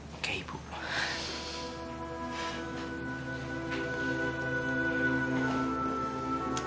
punya ibu yang baik